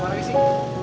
apaan lagi sih